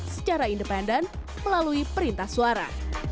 secara independen melalui perintah suara